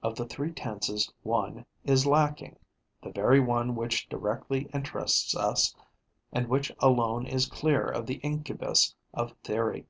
Of the three tenses, one is lacking, the very one which directly interests us and which alone is clear of the incubus of theory.